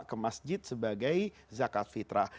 ke masjid sebagai zakat fitrah